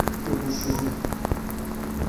Tu bişirî.